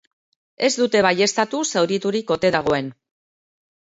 Ez dute baieztatu zauriturik ote dagoen.